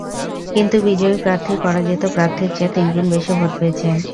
কিন্তু বিজয়ী প্রার্থী পরাজিত প্রার্থীর চেয়ে তিন গুণ বেশি ভোট পেয়েছেন।